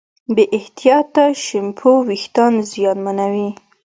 بې احتیاطه شیمپو وېښتيان زیانمنوي.